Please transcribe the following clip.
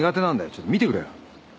ちょっと見てくれよ。